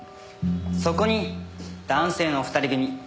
そこに男性のお二人組。